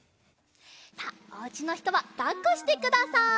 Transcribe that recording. さあおうちのひとはだっこしてください。